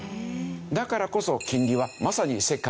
だからこそ金利はまさに世界を動かす。